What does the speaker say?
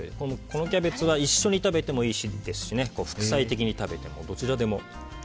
このキャベツは一緒に食べてもいいですし副菜的に食べても、どちらでも。